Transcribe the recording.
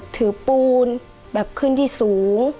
ถือปูนแบบขึ้นที่สูง